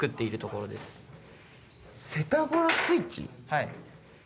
はい。